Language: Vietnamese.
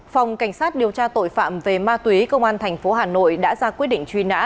phòng cảnh sát điều tra tội phạm về ma túy công an tp hà nội đã ra quyết định truy nã